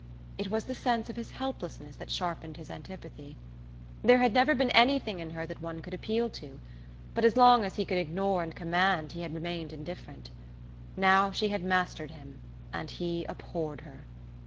It was the sense of his helplessness that sharpened his antipathy. There had never been anything in her that one could appeal to; but as long as he could ignore and command he had remained indifferent. Now she had mastered him and he abhorred her.